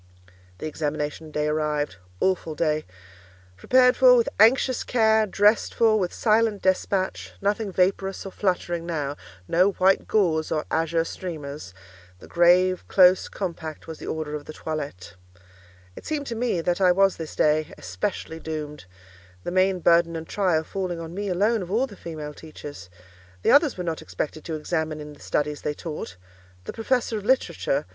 The examination day arrived. Awful day! Prepared for with anxious care, dressed for with silent despatch—nothing vaporous or fluttering now—no white gauze or azure streamers; the grave, close, compact was the order of the toilette. It seemed to me that I was this day, especially doomed—the main burden and trial falling on me alone of all the female teachers. The others were not expected to examine in the studies they taught; the professor of literature, M.